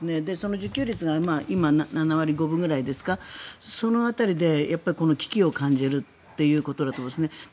自給率が今７割５分ぐらいですかその辺りで危機を感じるということだと思うんです。